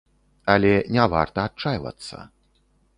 Але не варта адчайвацца.